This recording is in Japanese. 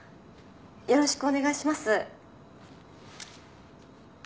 よろしくお願いします。